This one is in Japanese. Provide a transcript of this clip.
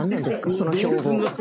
その標語。